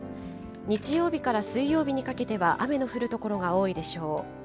日曜日から水曜日にかけては雨の降る所が多いでしょう。